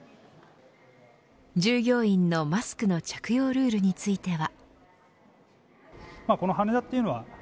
従業員のマスクの着用ルールについては。